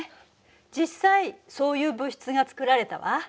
実際そういう物質が作られたわ。